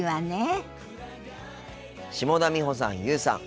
下田美穂さん優羽さん